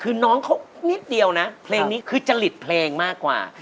คือน้องเขานิดเดียวนะเพลงนี้คือจริตเพลงมากกว่า